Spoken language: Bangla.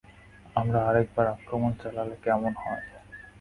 আমরা আরেকবার আক্রমণ চালালে কেমন হয়?